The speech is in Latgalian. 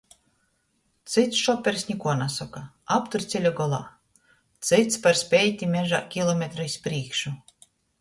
Cyts šopers nikuo nasoka, aptur ceļa golā, cyts par speiti mežā kilometru iz prīšku.